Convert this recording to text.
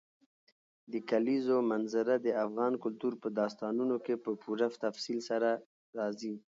د کلیزو منظره د افغان کلتور په داستانونو کې په پوره تفصیل سره راځي.